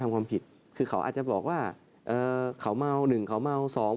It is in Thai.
คือเขาอาจจะบอกว่าเขาเมา๒หนึ่งเขาเมา๒หนึ่ง